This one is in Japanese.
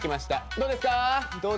どうですか？